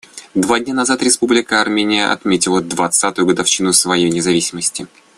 Два дня назад Республика Армения отметила двадцатую годовщину своей независимости.